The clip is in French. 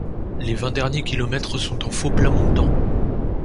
Les vingt derniers kilomètres sont en faux plat montant.